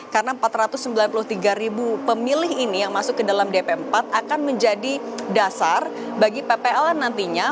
karena empat ratus sembilan puluh tiga pemilih ini yang masuk ke dalam dp empat akan menjadi dasar bagi ppl an nantinya